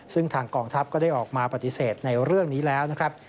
ซึ่งทางกองทัพก็ได้ออกมาปฏิเสธในเรื่องนี้แล้วนะครับ